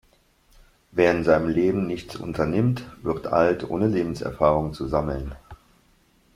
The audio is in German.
Wer in seinem Leben nichts unternimmt, wird alt, ohne Lebenserfahrung zu sammeln.